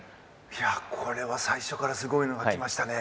最初からすごいのが来ましたね。